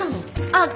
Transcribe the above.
あっ。